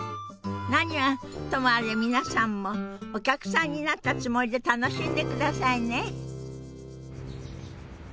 何はともあれ皆さんもお客さんになったつもりで楽しんでくださいね。